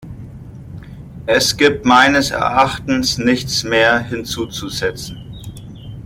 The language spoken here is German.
Es gibt meines Erachtens nichts mehr hinzuzusetzen.